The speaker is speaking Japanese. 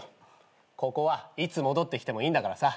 ここはいつ戻ってきてもいいんだからさ。